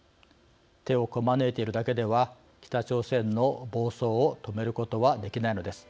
手をこまねいているだけでは北朝鮮の暴走を止めることはできないのです。